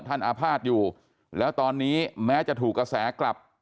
อาภาษณ์อยู่แล้วตอนนี้แม้จะถูกกระแสกลับ